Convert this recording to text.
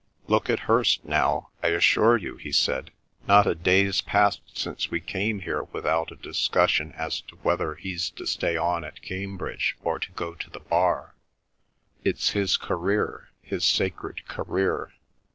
Look at Hirst now. I assure you," he said, "not a day's passed since we came here without a discussion as to whether he's to stay on at Cambridge or to go to the Bar. It's his career—his sacred career.